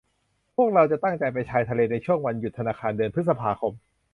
พวกเราตั้งใจจะไปชายทะเลในช่วงวันหยุดธนาคารเดือนพฤษภาคม